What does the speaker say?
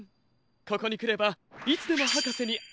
ここにくればいつでもはかせにあえますね。